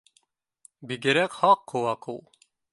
Бигерәк һаҡ ҡолаҡ ул